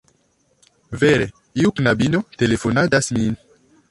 Vere, iu knabino telefonadas min